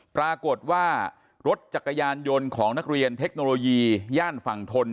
ปรากฏว่ารถจักรยานยนต์ของนักเรียนเทคโนโลยีย่านฝั่งทน